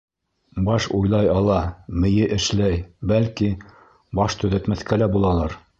Баш уйлай ала, мейе эшләй, бәлки, баш төҙәтмәҫкә лә булалыр?